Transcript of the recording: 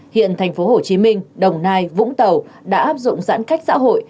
hiện thành phố hồ chí minh đồng nai vũng tàu đã áp dụng giãn cách xã hội